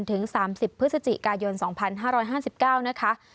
ถึง๓๐พฤศจิกายน๒๕๕๙นะคะ